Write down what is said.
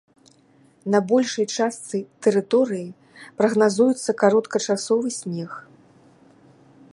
На большай частцы тэрыторыі прагназуецца кароткачасовы снег.